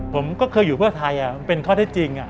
ผมก็เคยอยู่เพื่อไทยเป็นข้อได้จริง